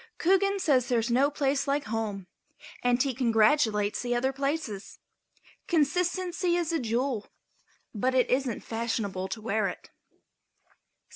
Coogan says there is no place like home and he congratulates the other places. Consistency is a jewel, but it isn't fashionable to wear it.